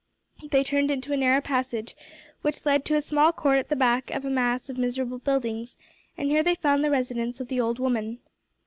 They turned into a narrow passage which led to a small court at the back of a mass of miserable buildings, and here they found the residence of the old woman.